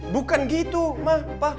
bukan gitu ma